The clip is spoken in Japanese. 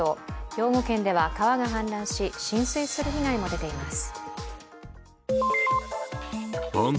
兵庫県では川が氾濫し浸水する被害も出ています。